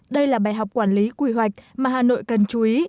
đây là bài học quản lý quy hoạch mà hà nội cần chú ý